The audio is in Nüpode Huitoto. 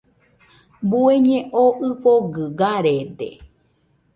Bueñe oo ɨfogɨ garede.